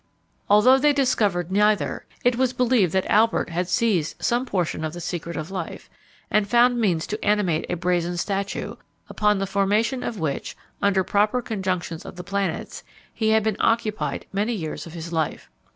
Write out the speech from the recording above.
Although they discovered neither, it was believed that Albert had seized some portion of the secret of life, and found means to animate a brazen statue, upon the formation of which, under proper conjunctions of the planets, he had been occupied many years of his life.